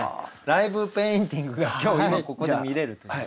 ライブペインティングが今日今ここで見れるという。